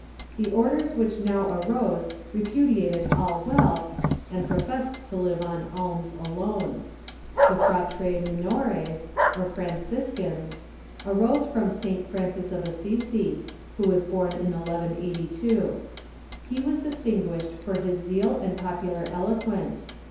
The orders which now ai'ose repudiated all wealth, and professed to live on alms alone. The Fratres Mi nores, or Franciscans, arose from Francis of Assisi, avIio was born in 1182. He was distinguished for his zeal and popu lar eloquence.